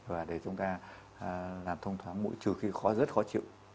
và để chúng ta làm thông thoáng mũi trừ khi khó rất khó chịu